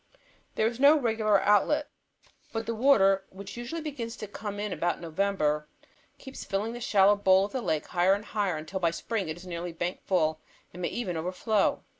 There is no regular outlet, but the water which usually begins to come in about November keeps filling the shallow bowl of the lake higher and higher until by spring it is nearly bank full and may even overflow.